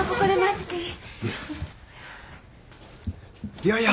いやいや。